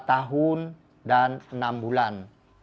lima tahun dan enam bulan